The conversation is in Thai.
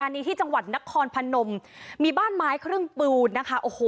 อันนี้ที่จังหวัดนครพนมมีบ้านไม้ครึ่งปูนนะคะโอ้โห